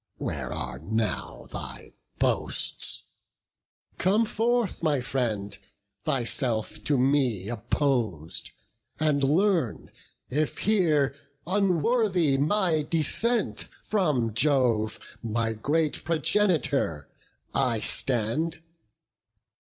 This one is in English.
where are now thy boasts? Come forth, my friend, thyself to me oppos'd; And learn, if here, unworthy my descent From Jove, my great progenitor, I stand.